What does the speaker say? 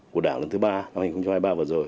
của đảng lần thứ ba năm hai nghìn hai mươi ba vừa rồi